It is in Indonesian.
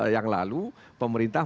yang lalu pemerintah